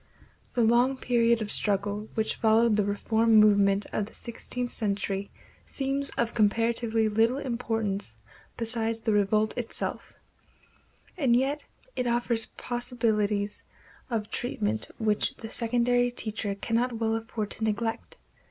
The long period of struggle which followed the reform movement of the sixteenth century seems of comparatively little importance beside the revolt itself; and yet it offers possibilities of treatment which the secondary teacher cannot well afford to neglect.